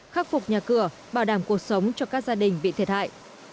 khắc phục nhà cửa bảo đảm cuộc sống cho các gia đình bị thiệt hại